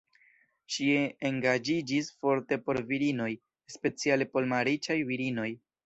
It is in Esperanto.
Ŝi engaĝiĝis forte por virinoj, speciale por malriĉaj virinoj.